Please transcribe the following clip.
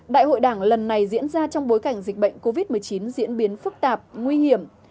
đại hội đảng lần này diễn ra trong bối cảnh dịch bệnh covid một mươi chín diễn biến phức tạp nguy hiểm